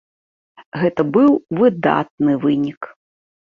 Гэта быў выдатны вынік.